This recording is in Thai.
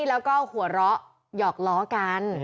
แล้วก็หัวเราะหยอกล้อกัน